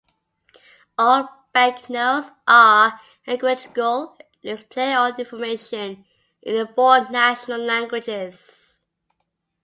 All banknotes are quadrilingual, displaying all information in the four national languages.